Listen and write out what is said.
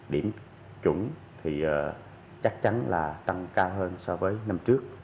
điểm chuẩn thì chắc chắn là tăng cao hơn so với năm trước